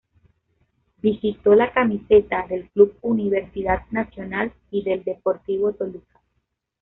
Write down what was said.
Vistió la camiseta del Club Universidad Nacional y del Deportivo Toluca.